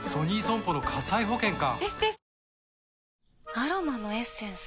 アロマのエッセンス？